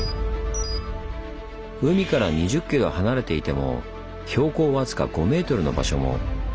海から２０ｋｍ離れていても標高わずか５ｍの場所も。